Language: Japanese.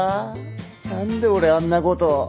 何で俺あんなこと。